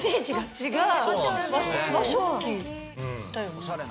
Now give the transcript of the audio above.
違う！